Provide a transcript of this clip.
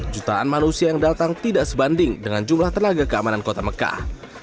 jutaan manusia yang datang tidak sebanding dengan jumlah tenaga keamanan kota mekah